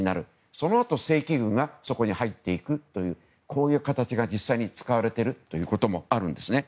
そのあと正規軍がそこに入っていくというこういう形が実際に使われていることもあるんです。